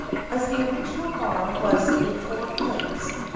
As the original bar was in four flakes.